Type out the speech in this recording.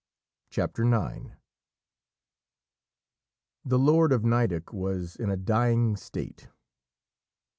CHAPTER IX. The lord of Nideck was in a dying state.